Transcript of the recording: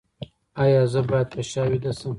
ایا زه باید په شا ویده شم؟